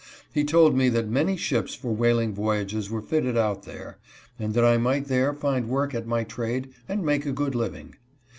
He told me that many ships for whaling voyages were fitted out there, and that I might there find work at my trade and make a good living.